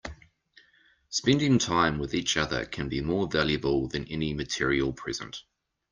Spending time with each other can be more valuable than any material present.